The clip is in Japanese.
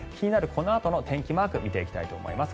このあとの天気マークを見てきます。